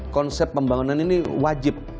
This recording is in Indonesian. konsep pembangunan ini wajib